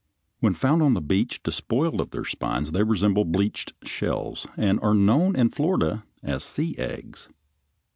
When found on the beach, despoiled of their spines, they resemble bleached shells, and are then known in Florida as sea eggs (Fig.